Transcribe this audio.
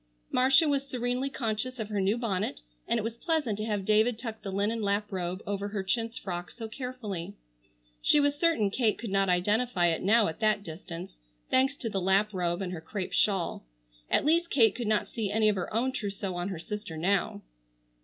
Marcia was serenely conscious of her new bonnet, and it was pleasant to have David tuck the linen lap robe over her chintz frock so carefully. She was certain Kate could not identify it now at that distance, thanks to the lap robe and her crêpe shawl. At least Kate could not see any of her own trousseau on her sister now.